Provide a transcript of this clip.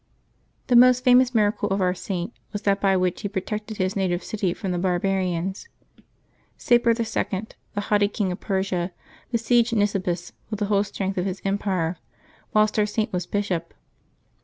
The most famous miracle of our Saint was that by which he protected his native city from the barbarians. Sapor II., the haughty King of Persia, besieged Nisibis with the whole strength of his empire, whilst our Saint was Bishop.